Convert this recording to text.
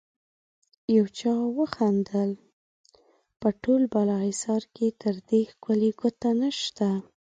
يو چا وخندل: په ټول بالاحصار کې تر دې ښکلی کوټه نشته.